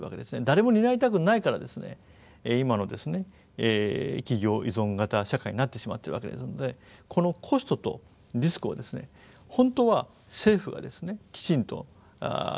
誰も担いたくないから今の企業依存型社会になってしまっているわけですのでこのコストとリスクを本当は政府がきちんと担わなきゃいけない。